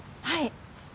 はい。